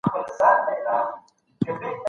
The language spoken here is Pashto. په دې سفر کي له موږ سره اوسئ.